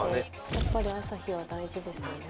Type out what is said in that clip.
やっぱり朝日は大事ですよね。